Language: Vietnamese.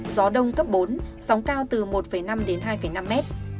gió đông cấp bốn sóng cao từ một năm hai năm m